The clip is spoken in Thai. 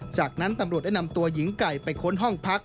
จากนั้นตำรวจได้นำตัวหญิงไก่ไปค้นห้องพัก